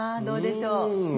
どうでしょう？